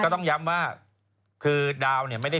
ต้นยังดีอยู่